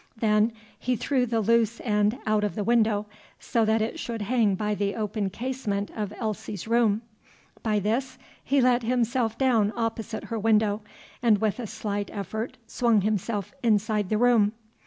Then he threw the loose end out of the window so that it should hang by the open casement of Elsie's room. By this he let himself down opposite her window, and with a slight effort swung himself inside the room.